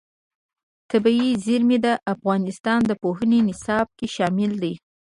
طبیعي زیرمې د افغانستان د پوهنې نصاب کې شامل دي.